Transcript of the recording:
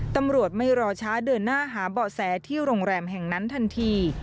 ตำรวจไม่รอช้าเดินหน้าหาเบาะแสที่โรงแรมแห่งนั้นทันที